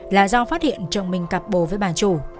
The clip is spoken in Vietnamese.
là do phát hiện chồng mình cặp bồ với bà chủ